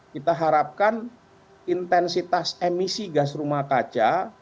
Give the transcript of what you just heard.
kita harapkan intensitas emisi gas rumah kaca